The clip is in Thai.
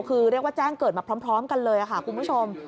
คือเรียกว่าแจ้งเกิดมาพร้อมกันเลยค่ะคุณผู้ชม